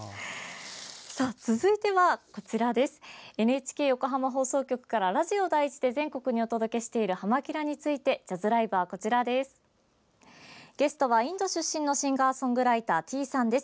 続いて、ＮＨＫ横浜放送局からラジオ第１で全国にお届けしている「はま☆キラ！」についてジャズライブはこちらです。